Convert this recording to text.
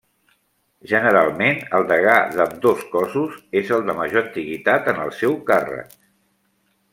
Generalment, el degà d'ambdós cossos és el de major antiguitat en el seu càrrec.